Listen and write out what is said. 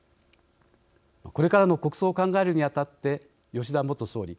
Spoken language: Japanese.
これからの国葬を考えるに当たって吉田元総理